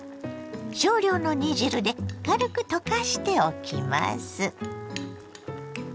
少量の煮汁で軽く溶かしておきます。